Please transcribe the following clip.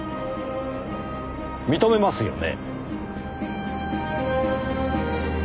認めますよね？